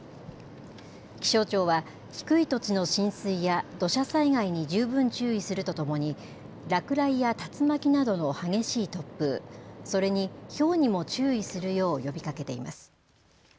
気象庁は低い土地の浸水や土砂災害に十分注意するとともに落雷や竜巻などの激しい突風、それにひょうにも注意するよう呼びかけています。